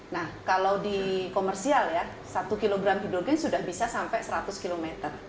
nah kalau di komersial ya satu kg hidrogen sudah bisa sampai seratus km